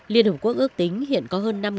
liên hợp quốc ước tính hiện có hơn